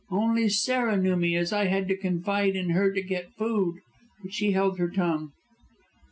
Only Sarah knew me, as I had to confide in her to get food. But she held her tongue."